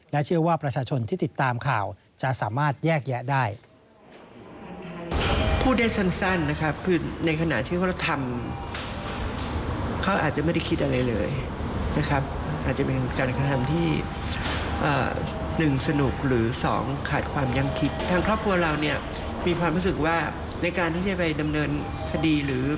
เชื่อว่าประชาชนที่ติดตามข่าวจะสามารถแยกแยะได้